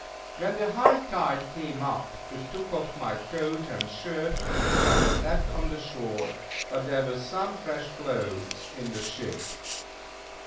When the high tide came up it took off my coat and shirt, which I had left on the shore; but there were some fresh clothes in the ship.